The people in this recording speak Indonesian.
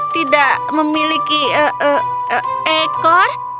tidak memiliki ekor